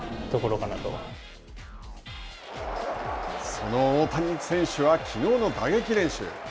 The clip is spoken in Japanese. その大谷選手は、きのうの打撃練習。